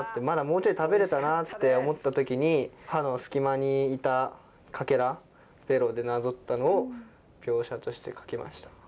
まだもうちょい食べれたなって思った時に歯の隙間にいたかけらベロでなぞったのを描写として書きました。